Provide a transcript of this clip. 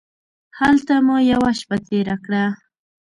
هلته مو یوه شپه تېره کړه.